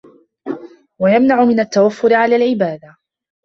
وَيَمْنَعُ مِنْ التَّوَفُّرِ عَلَى الْعِبَادَةِ